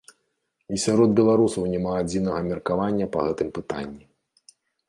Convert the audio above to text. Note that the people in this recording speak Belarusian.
І сярод беларусаў няма адзінага меркавання па гэтым пытанні.